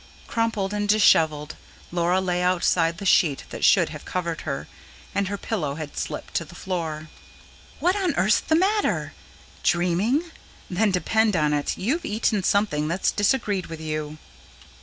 Crumpled and dishevelled, Laura lay outside the sheet that should have covered her; and her pillow had slipped to the floor. "What on earth's the matter? Dreaming? Then depend on it you've eaten something that's disagreed with you."